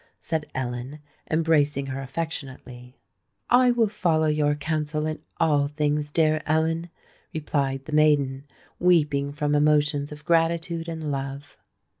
said Ellen, embracing her affectionately. "I will follow your counsel in all things, dear Ellen," replied the maiden, weeping from emotions of gratitude and love.